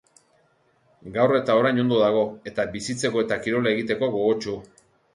Gaur eta orain ondo dago eta bizitzeko eta kirola egiteko gogotsu.